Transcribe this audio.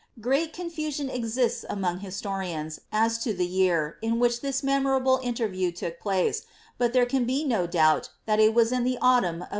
Great confusion exists among historians, as to the year, in which this memorable interview took place, but there can be no doubt that it was in the autumn of 1554,^ because of the presence of > Fox.